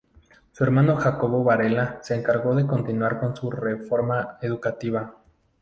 Su hermano Jacobo Varela se encargó de continuar con su reforma educativa.